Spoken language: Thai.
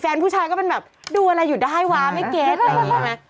ผู้ชายก็เป็นแบบดูอะไรอยู่ได้วะไม่เก็ตอะไรอย่างนี้ใช่ไหม